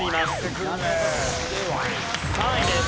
３位です。